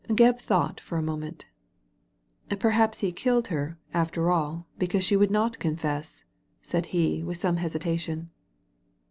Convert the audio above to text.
Gebb thought for a moment Perhaps he killed her, after all, because she would not confess," said he, with some hesitation.